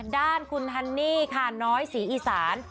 ด้านคุณฮันนี่ค่ะน้อยศรีอีสาน